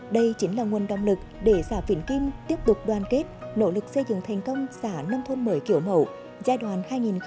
đây chính là nguồn động lực để xã vĩnh kim tiếp tục đoàn kết nỗ lực xây dựng thành công xã nông thôn mới kiểu mẫu giai đoạn hai nghìn một mươi sáu hai nghìn hai mươi